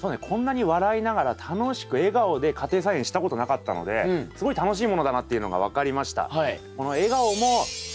こんなに笑いながら楽しく笑顔で家庭菜園したことなかったのですごい楽しいものだなっていうのが分かりました。